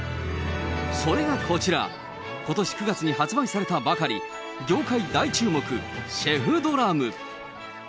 それがこちら、ことし９月に発売されたばかり、業界大注目、シェフドラム。